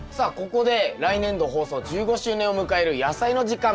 ここで来年度放送１５周年を迎える「やさいの時間」